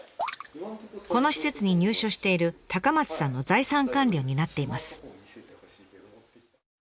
この施設に入所している松さんの財産管理を担っています。